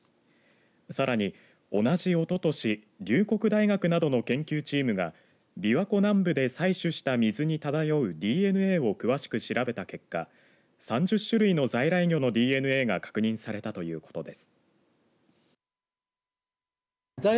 さらに、同じおととし龍谷大学などの研究チームがびわ湖南部で採取した水に漂うＤＮＡを詳しく調べた結果３０種類の在来魚のＤＮＡが確認されたということです。